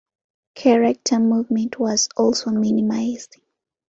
Character movement was also minimized.